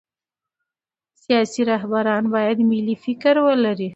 سیاسي رهبران باید ملي فکر ولري